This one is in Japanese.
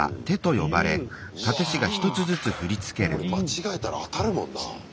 うわこれ間違えたら当たるもんな。